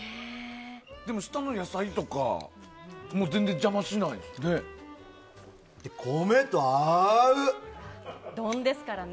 下の野菜とかも全然邪魔しないですね。